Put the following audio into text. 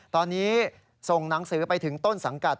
ตอนนี้ส่งหนังสือไปถึงต้นสังกัด